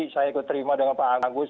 saya ikut terima dengan pak agus